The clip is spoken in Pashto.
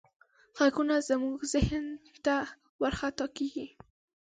غږونه زموږ ذهن ته ورخطا کېږي.